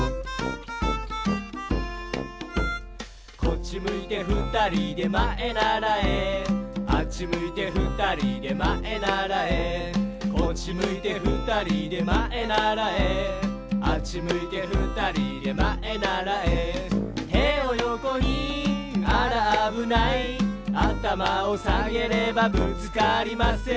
「こっちむいてふたりでまえならえ」「あっちむいてふたりでまえならえ」「こっちむいてふたりでまえならえ」「あっちむいてふたりでまえならえ」「てをよこにあらあぶない」「あたまをさげればぶつかりません」